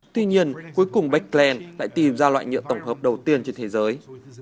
tuy nhiên cuối cùng beckland lại tìm ra loại nhựa tổng hợp đầu tiên trên thế giới